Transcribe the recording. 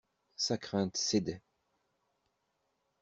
Sa crainte cédait.